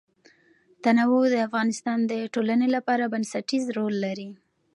تنوع د افغانستان د ټولنې لپاره بنسټيز رول لري.